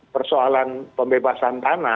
persoalan pembebasan tanah